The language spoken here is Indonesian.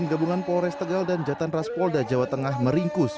tim gabungan polres tegal dan jatan raspolda jawa tengah meringkus